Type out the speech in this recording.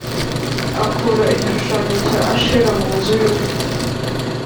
Akura igishushanyo cya ashera mu nzu y uwiteka